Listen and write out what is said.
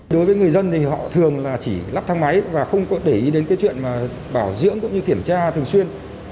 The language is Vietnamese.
đối với người dân thì họ thường là chỉ lắp thang máy và không có để ý đến cái chuyện mà bảo dưỡng cũng như kiểm tra thường xuyên